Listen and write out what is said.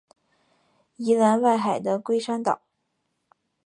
宜兰外海的龟山岛